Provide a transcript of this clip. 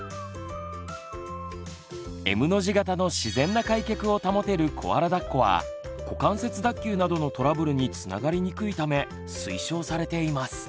Ｍの字形の自然な開脚を保てるコアラだっこは股関節脱臼などのトラブルにつながりにくいため推奨されています。